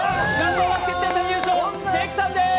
Ｎｏ．１決定戦優勝、関さんでーす。